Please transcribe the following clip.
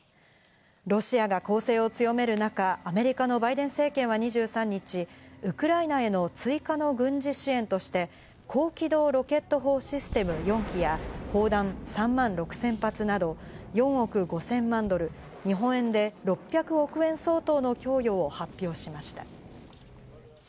ロシアが攻勢を強める中、アメリカのバイデン政権は２３日、ウクライナへの追加の軍事支援として、高機動ロケット砲システム４基や砲弾３万６０００発など４億５０００万ドル、日本円で６００億円相当の供与を発表しました。